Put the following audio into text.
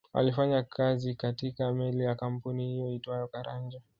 Alifanya kazi katika meli ya kampuni hiyo iitwayo Caranja